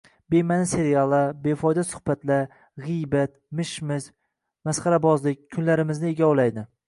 Bema’ni seriallar, befoyda suhbatlar, g‘iybat, mishmish, masxarabozlik kunlarimizni egovlaydi.